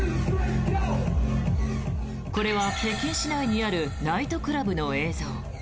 これは北京市内にあるナイトクラブの映像。